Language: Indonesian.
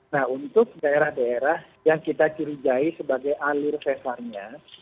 nah untuk daerah daerah yang kita ciri jai sebagai alur vesarnya